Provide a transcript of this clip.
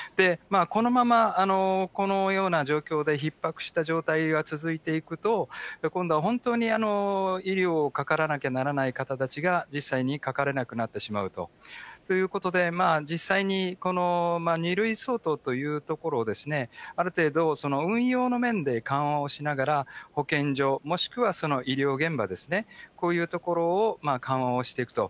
このままこのような状況でひっ迫した状態が続いていくと、今度は、本当に医療をかからなきゃいけない方々が実際にかかれなくなってしまうと、ということで、実際に２類相当というところを、ある程度、その運用の面で緩和をしながら、保健所、もしくはその医療現場ですね、こういうところを緩和をしていくと。